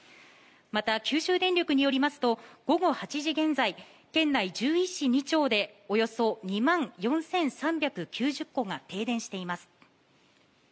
また、九州電力によりますと午後８時現在県内１１市２町でおよそ２万４３９０戸が停電しています。